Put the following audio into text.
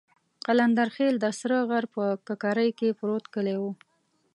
قلندرخېل د سره غره په ککرۍ کې پروت کلی وو.